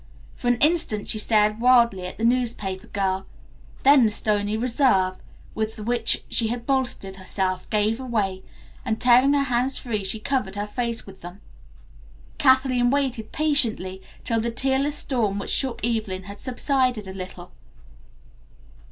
For an instant she stared wildly at the newspaper girl, then the stony reserve, with which she had bolstered herself, gave away, and tearing her hands free she covered her face with them. Kathleen waited patiently till the tearless storm which shook Evelyn had subsided a little.